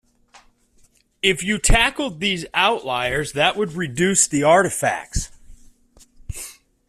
If you tackled these outliers that would reduce the artifacts.